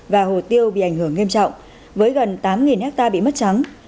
và hồ tiêu bị ảnh hưởng nghiêm trọng với gần tám hectare bị mất trắng